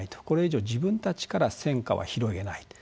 これ以上、自分たちから戦禍は広げない。